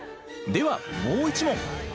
ではもう一問。